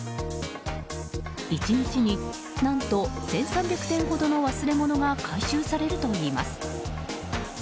１日に、何と１３００点ほどの忘れ物が回収されるといいます。